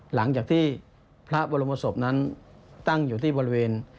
หลังจากที่พระบรมศพนั้นตั้งอยู่ที่บริเวณ